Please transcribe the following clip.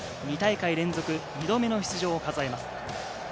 ２大会連続２度目の出場を数えます。